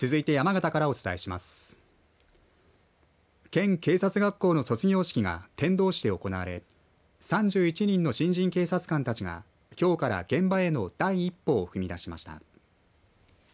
県警察学校の卒業式が天童市で行われ３１人の新人警察官たちがきょうから現場への第一歩を踏み出しました。